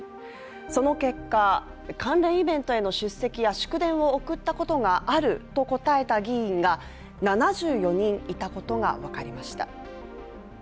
その結果、関連イベントへの出席や祝電を送ったことがあると答えた議員が７４人いたことが分かりました。